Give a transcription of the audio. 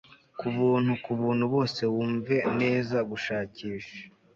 kubuntu kubuntu bose Wumve neza gushakisha